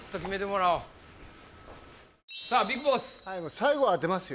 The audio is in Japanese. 最後は当てますよ